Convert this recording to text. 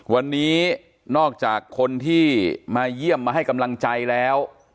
วันนี้นอกจากคนที่มาเยี่ยมมาให้กำลังใจแล้ว